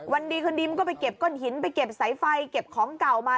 วันดีคืนดิมก็ไปเก็บก้อนหินไปเก็บสายไฟเก็บของเก่ามา